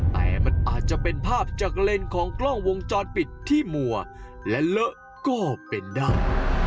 แต่มันอาจจะเป็นภาพจากเลนส์ของกล้องวงจรปิดที่มัวและเลอะก็เป็นได้